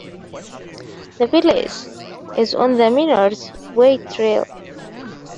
The village is on the Miner's Way Trail.